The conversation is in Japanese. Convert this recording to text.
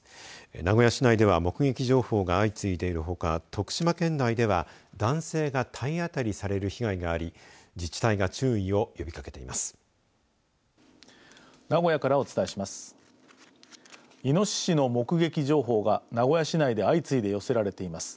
名古屋市内では目撃情報が相次いでいるほか徳島県内では男性が体当たりされる被害があり、自治体が注意を呼びかけています。